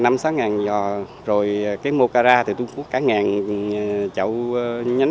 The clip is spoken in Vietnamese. mà năm sáu ngàn giò rồi cái mocara thì tôi cũng có cả ngàn chậu nhánh mocara để cắt cành